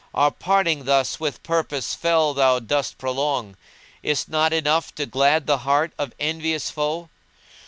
Our parting thus with purpose fell thou dost prolong * Is't not enough to glad the heart of envious foe?